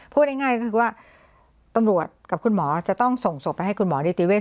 พูดง่ายก็คือว่าตำรวจกับคุณหมอจะต้องส่งศพไปให้คุณหมอนิติเวศ